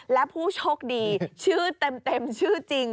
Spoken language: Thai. และผู้โชคดีชื่อเต็มชื่อจริง